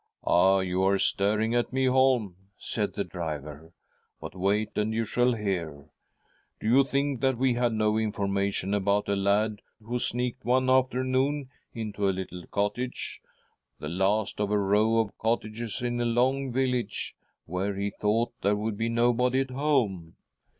" Ah ! you are staring at me, Holm," said the driver, " but wait and you shall hear. Do you think that we had no information about a lad who ■■■ »,y.u... .,.■ 148 THY SOUL SHALL BEAR WITNESS ! sneaked one afternoon into a little cottage — the last of a row of cottages in a long village^ where he thought there would be nobody at home